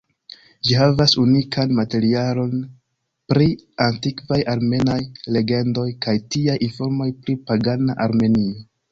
Ĝi havas unikan materialon pri antikvaj armenaj legendoj, kaj tiaj informoj pri pagana Armenio.